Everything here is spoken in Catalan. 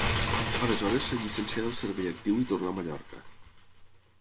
Aleshores es llicencià del servei actiu i tornà a Mallorca.